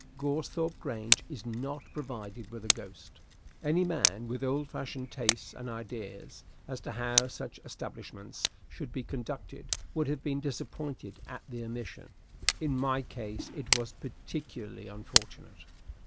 Goresthorpe Grange is not provided with a ghost. Any man with old fashioned tastes and ideas as to how such establishments should be conducted would have been disappointed at the omission. In my case it was particularly unfortunate.